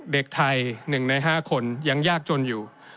เด็กไทย๑ใน๕คนยังยากจนอยู่